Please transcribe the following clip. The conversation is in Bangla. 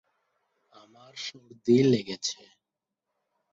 বাংলাদেশের বিভিন্ন জায়গায় বিভিন্ন নামে ফলটি পরিচিত।